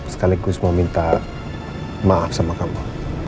sekaligus mau minta maaf sama kamu